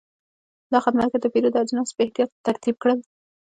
دا خدمتګر د پیرود اجناس په احتیاط ترتیب کړل.